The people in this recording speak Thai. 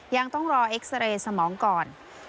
ยังต้องรออีกหลายกว่า